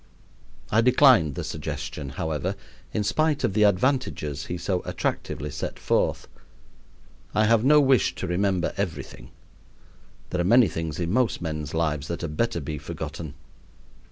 I declined the suggestion, however, in spite of the advantages he so attractively set forth. I have no wish to remember everything. There are many things in most men's lives that had better be forgotten.